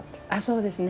そうですね。